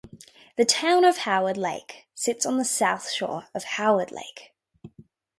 The town of Howard Lake sits on the south shore of Howard Lake.